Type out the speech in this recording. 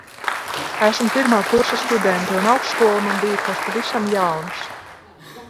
Esmu pirmā kursa studente, un augstskola man bija kas pavisam jauns.